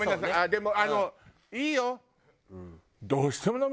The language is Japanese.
でもあのいいよ。